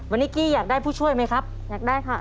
วันนี้กี้อยากได้ผู้ช่วยไหมครับอยากได้ค่ะ